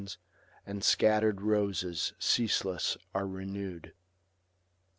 187 And scatter'd roses ceaseless are renew'd.